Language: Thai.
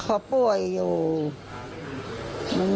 เขาป่วยอยู่